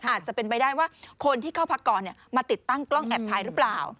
อาจจะเป็นไปได้ว่าคนที่เข้าพักก่อนมาติดตั้งกล้องแอบถ่ายหรือเปล่า